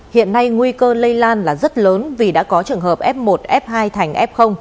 hiện nay nguy cơ lây lan là rất lớn vì đã có trường hợp f một f hai thành f